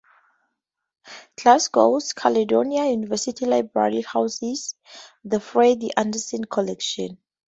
Glasgow's Caledonian University Library houses the Freddie Anderson collection.